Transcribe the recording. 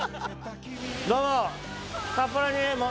どうも。